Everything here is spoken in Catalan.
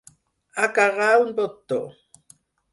Agarrar un botó.